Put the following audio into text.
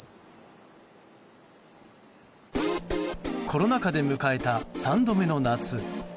コロナ禍で迎えた３度目の夏。